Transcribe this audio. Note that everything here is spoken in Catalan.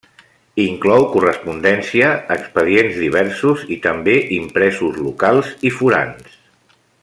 Inclou correspondència, expedients diversos i també impresos locals i forans.